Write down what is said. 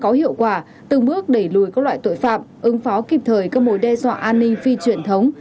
có hiệu quả từng bước đẩy lùi các loại tội phạm ứng phó kịp thời các mối đe dọa an ninh phi truyền thống